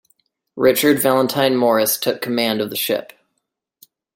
Richard Valentine Morris took command of the ship.